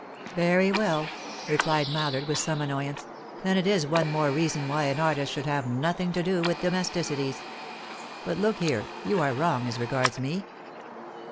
"Very well," replied Mallard, with some annoyance, "then it is one more reason why an artist should have nothing to do with domesticities. But look here, you are wrong as regards me.